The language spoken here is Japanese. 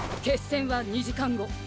決戦は２時間後。